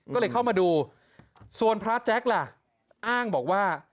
ก็เลยเข้ามาดูส่วนพระแจ๊คล่ะอ้างบอกว่า